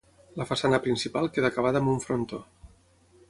La façana principal queda acabada amb un frontó.